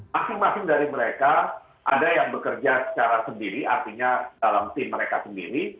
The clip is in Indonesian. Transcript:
masing masing dari mereka ada yang bekerja secara sendiri artinya dalam tim mereka sendiri